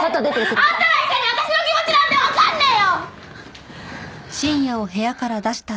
あんたら医者に私の気持ちなんてわかんねえよ！